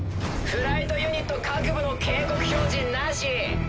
フライトユニット各部の警告表示なし。